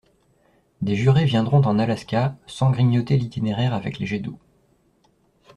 Des jurés viendront en Alaska sans grignoter l'itinéraire avec les jets d'eau.